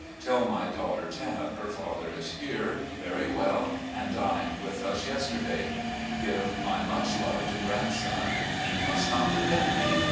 Tell my daughter Tabb, her father is here, very well, and dined with us yesterday. Give my much love to grandson. He must not forget me.